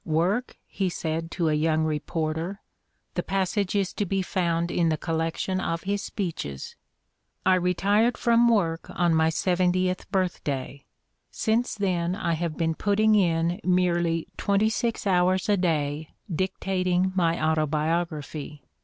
"Work?" he said to a young reporter — the passage is to be found in the collection of his speeches. '' I retired from work on my seventieth birth day. Since then I have been putting in merely twenty six hours a day dictating my autobiography.